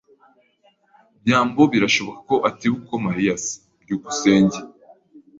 byambo birashoboka ko atibuka uko Mariya asa. byukusenge